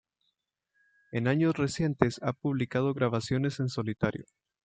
En años recientes ha publicado grabaciones en solitario.